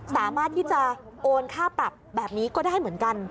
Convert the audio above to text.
สามารถที่จะโอนค่าปรับแบบนี้ก็ได้เหมือนกัน